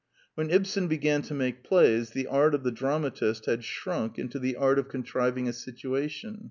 When Ibsen began to make plays, the art of the dra matist had shrunk into the art of contriving a situation.